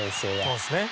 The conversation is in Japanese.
そうですね。